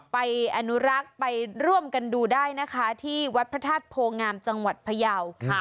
ไปอนุรักษ์ไปร่วมกันดูได้นะคะที่วัดพระธาตุโพงามจังหวัดพยาว